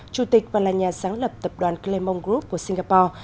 chủ tịch và là nhà sáng lập tập đoàn clemon group của singapore